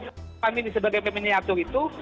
taman mini sebagai miniatur itu